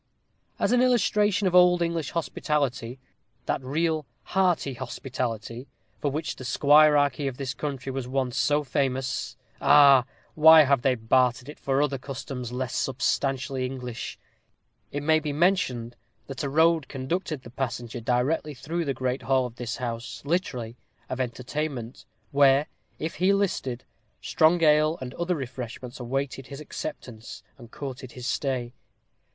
As an illustration of old English hospitality that real, hearty hospitality for which the squirearchy of this country was once so famous Ah! why have they bartered it for other customs less substantially English? it may be mentioned, that a road conducted the passenger directly through the great hall of this house, literally "of entertainment," where, if he listed, strong ale, and other refreshments, awaited his acceptance and courted his stay.